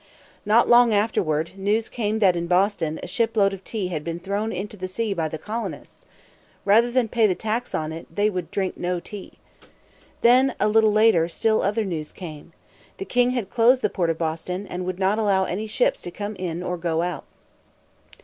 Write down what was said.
Not long afterward, news came that in Boston a ship load of tea had been thrown into the sea by the colonists. Rather than pay the tax upon it, they would drink no tea. Then, a little later, still other news came. The king had closed the port of Boston, and would not allow any ships to come in or go out.